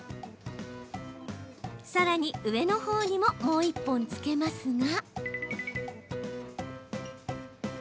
さらに、上のほうにももう１本付けますが。